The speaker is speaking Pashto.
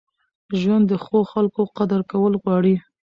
ژوند د ښو خلکو قدر کول غواړي.